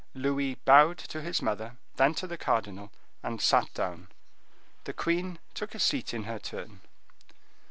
Louis bowed to his mother, then to the cardinal, and sat down. The queen took a seat in her turn.